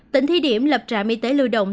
tỉnh thi điểm lập trạm y tế lưu động